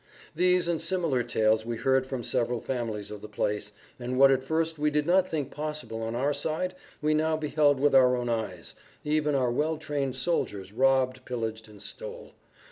These and similar tales we heard from several families of the place, and what at first we did not think possible on our side we now beheld with our[Pg 35] own eyes—even our well trained soldiers robbed, pillaged, and stole.